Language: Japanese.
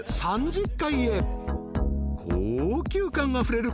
［高級感あふれる